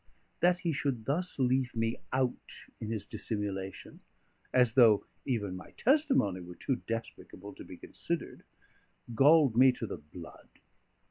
That he should thus leave me out in his dissimulation, as though even my testimony were too despicable to be considered, galled me to the blood.